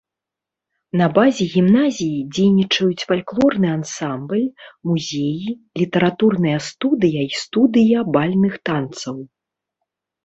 На базе гімназіі дзейнічаюць фальклорны ансамбль, музеі, літаратурная студыя і студыя бальных танцаў.